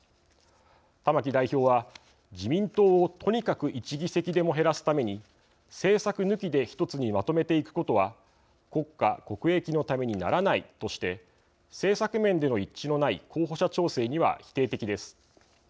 玉木代表は自民党をとにかく１議席でも減らすために政策抜きで１つにまとめていくことは国家・国益のためにならないとして政策面での一致のない候補者調整には否定的です。